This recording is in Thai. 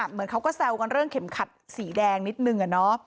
เหมือนเขาก็แซวกันเรื่องเข็มขัดสีแดงนิดนึง